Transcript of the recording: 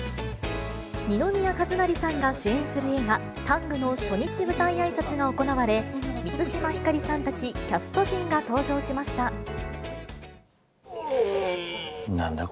二宮和也さんが主演する映画、タングの初日舞台あいさつが行われ、満島ひかりさんたちキャストなんだ？